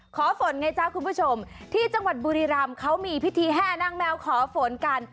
ฝนไงจ๊ะคุณผู้ชมที่จังหวัดบุรีรำเขามีพิธีแห่นางแมวขอฝนกัน